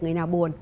người nào buồn